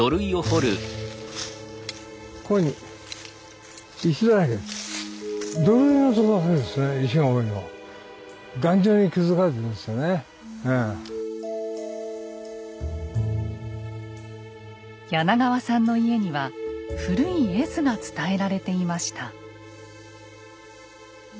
こういうふうに柳川さんの家には古い絵図が伝えられていました。